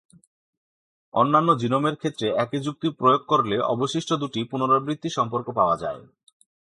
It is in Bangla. অন্যান্য জিনোমের ক্ষেত্রে একই যুক্তি প্রয়োগ করলে অবশিষ্ট দুটি পুনরাবৃত্তি সম্পর্ক পাওয়া যায়।